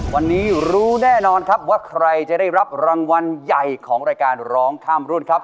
วันนี้รู้แน่นอนครับว่าใครจะได้รับรางวัลใหญ่ของรายการร้องข้ามรุ่นครับ